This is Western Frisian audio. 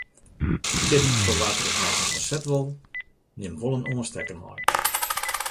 Tip foar wa’t ris nei sa’n konsert wol:: nim wol in oanstekker mei.